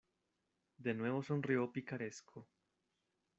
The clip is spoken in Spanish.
de nuevo sonrió picaresco.